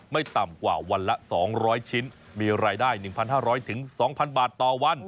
มีรายได้๑๕๐๐ถึง๒๐๐๐บาทต่อวัน